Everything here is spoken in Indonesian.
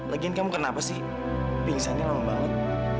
legian kamu kenapa sih pingsannya lama banget